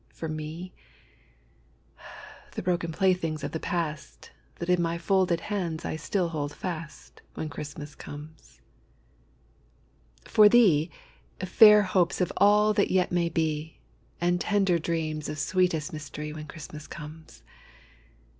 For me, the broken playthings of the past That in my folded hands I still hold fast, When Christmas comes. For thee, fair hopes of all that yet may be, And tender dreams of sweetest mystery, When Christmas comes.